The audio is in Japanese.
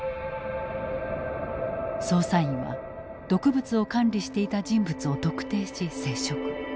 捜査員は毒物を管理していた人物を特定し接触。